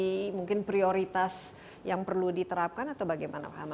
ini mungkin prioritas yang perlu diterapkan atau bagaimana pak hamam